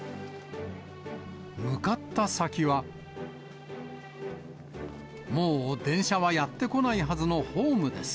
向かった先は、もう電車はやって来ないはずのホームです。